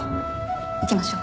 行きましょう。